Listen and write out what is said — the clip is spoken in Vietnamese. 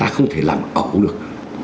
không thể làm ẩu được